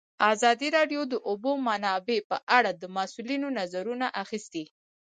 ازادي راډیو د د اوبو منابع په اړه د مسؤلینو نظرونه اخیستي.